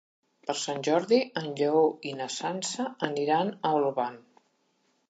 Per Sant Jordi en Lleó i na Sança aniran a Olvan.